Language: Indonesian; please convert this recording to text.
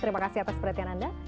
terima kasih atas perhatian anda